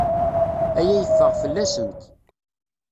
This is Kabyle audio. Aya yeffeɣ fell-asent.